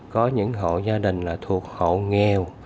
có những hộ gia đình là thuộc hộ nghèo